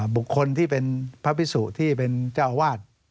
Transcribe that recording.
บุคคลที่เป็นพระพิสุที่เป็นเจ้าอาวาส